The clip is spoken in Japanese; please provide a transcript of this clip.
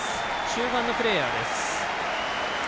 中盤のプレーヤーです。